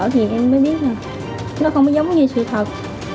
thì em mới biết là nó không có giống như sự thật